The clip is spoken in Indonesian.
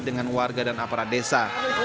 dengan warga dan aparat desa